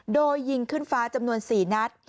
โดยยิงขึ้นฟ้าจำนวน๔นัด